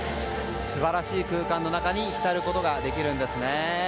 素晴らしい空間の中に浸ることができます。